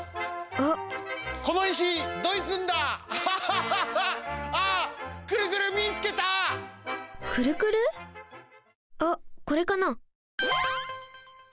あっこれかな？